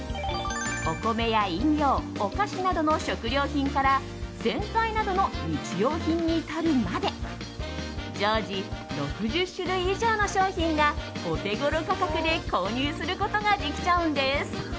お米や飲料お菓子などの食料品から洗剤などの日用品に至るまで常時６０種類以上の商品がオテゴロ価格で購入することができちゃうんです。